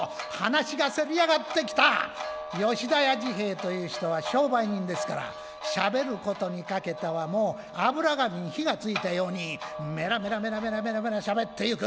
吉田屋治兵衛という人は商売人ですからしゃべることにかけてはもう油紙に火がついたようにメラメラメラメラメラメラしゃべってゆく。